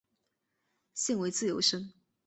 现为自由身。